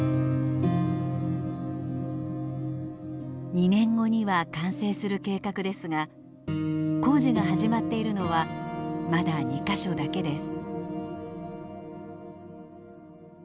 ２年後には完成する計画ですが工事が始まっているのはまだ２か所だけです。